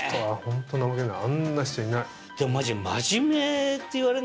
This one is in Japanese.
あんな人いない。